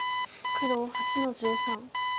黒８の十三。